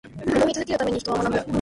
挑み続けるために、人は学ぶ。